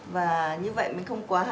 và như vậy mình không quá hai